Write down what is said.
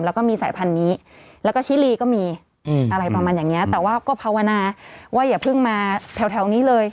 แล้วก็แบบชิลลี่ก็มีแต่ว่าก็พาวนาว่าอย่าเพิ่งมาแถวแน่เลย